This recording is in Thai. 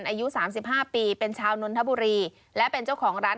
อายุสามสิบห้าปีเป็นชาวนนทบุรีและเป็นเจ้าของร้าน